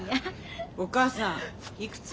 お母さんいくつ？